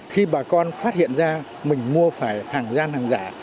khi bà con phát hiện ra mình mua phải hàng gian hàng giả